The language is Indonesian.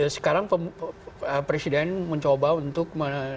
sekarang presiden mencoba untuk